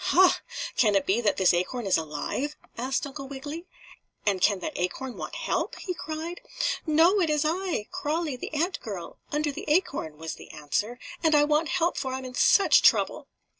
"Ha! Can it be that this acorn is alive?" asked Uncle Wiggily. "And can that acorn want help?" he cried. "No, it is I Crawlie, the ant girl under the acorn," was the answer, "and I want help, for I'm in such trouble."